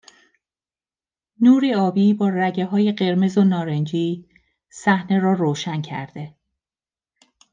نوری آبی با رگههای قرمز و نارنجی صحنه را روشن کرده